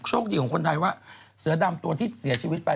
โชคดีของคนไทยว่าเสือดำตัวที่เสียชีวิตไป